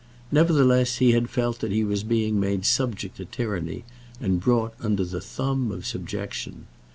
Nevertheless, he had felt that he was being made subject to tyranny and brought under the thumb of subjection.